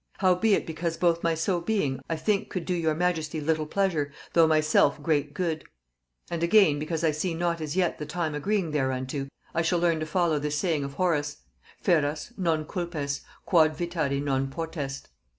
Howbeit because both my so being I think could do your majesty little pleasure, though myself great good; and again, because I see not as yet the time agreeing thereunto, I shall learn to follow this saying of Horace, 'Feras, non culpes, quod vitari non potest.'